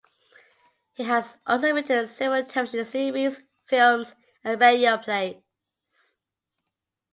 He has also written several television series, films and radio plays.